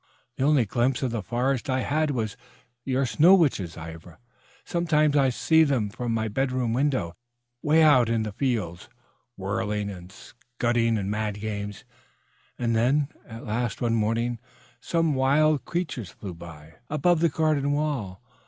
"The only glimpse of the forest I had was your Snow Witches, Ivra. Sometimes I saw them from my bedroom window, 'way out in the fields, whirling and scudding in mad games. And then at last one morning some Wind Creatures flew by, above the garden wall!